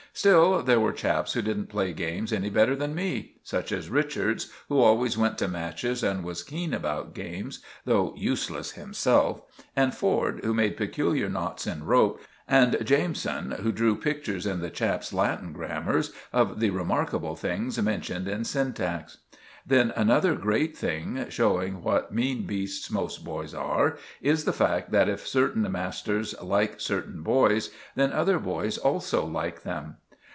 Still, there were chaps who didn't play games any better than me—such as Richards, who always went to matches and was keen about games, though useless himself, and Ford, who made peculiar knots in rope, and Jameson, who drew pictures in the chaps' Latin grammars of the remarkable things mentioned in syntax. Then another great thing, showing what mean beasts most boys are, is the fact that if certain masters like certain boys, then other boys also like them.